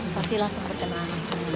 pasti langsung berkenalan